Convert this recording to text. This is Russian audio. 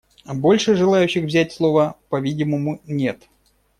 Больше желающих взять слово, по-видимому, нет.